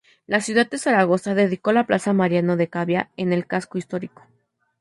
La ciudad de Zaragoza dedicó la Plaza Mariano de Cavia en el Casco Histórico.